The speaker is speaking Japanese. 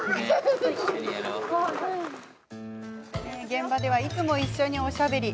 現場ではいつも一緒におしゃべり。